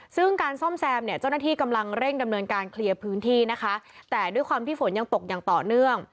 ซึ่งการซ่อมแซมเนี่ยเจ้าหน้าที่กำลังเร่งดำเนินการเคลียร์พื้นที่นะคะแต่ด้วยความที่ฝนยังตกอย่างต่อเนื่อง